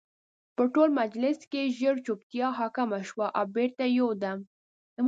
په ټول مجلس کې ژر جوپتیا حاکمه شوه او بېرته یو دم